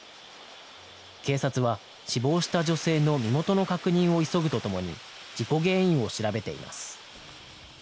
警察は死亡した女性の身元の確認を急ぐとともに事故原因を調べています。